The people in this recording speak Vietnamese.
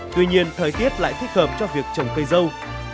tuy nhiên thời tiết lại thích hợp cho việc trồng cây dâu